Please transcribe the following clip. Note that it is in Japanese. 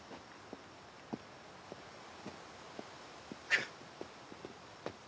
くっ！